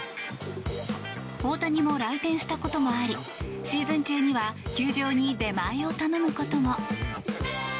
大谷も来店したこともありシーズン中には球場に出前を頼むことも。